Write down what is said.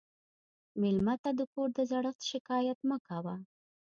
مېلمه ته د کور د زړښت شکایت مه کوه.